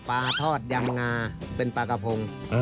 ปลาทอดยำงาเป็นปลากระพง